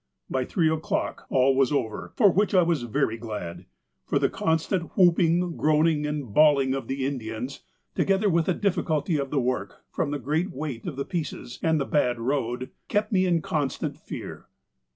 "By three o'clock all was over, for which I was very glad, for the constant whooping, groaning and bawling of the In THE FIRST MESSAGE 129 dians, together with the difficuhy of the work, from the great weight of the pieces and the bad road, kept me in constant fear."